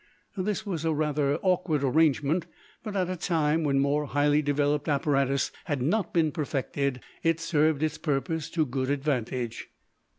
This was a rather awkward arrangement, but at a time when more highly developed apparatus had not been perfected it served its purpose to good advantage.